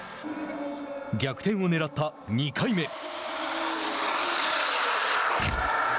逆転を狙った２回目。